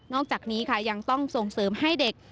อกจากนี้ค่ะยังต้องส่งเสริมให้เด็ก